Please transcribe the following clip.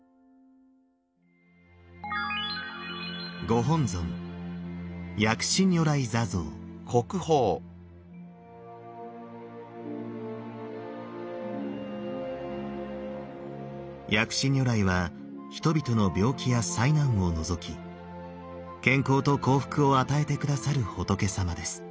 ご本尊薬師如来は人々の病気や災難を除き健康と幸福を与えて下さる仏様です。